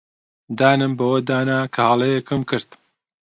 دانم بەوەدا نا کە هەڵەیەکم کرد.